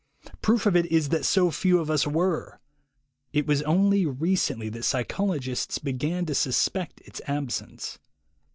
Proof of it is that so few of us were. It was only recently that psychologists began to suspect its absence.